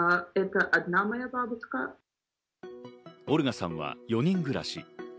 オルガさんは４人暮らし。